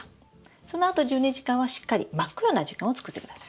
そのあと１２時間はしっかり真っ暗な時間を作ってください。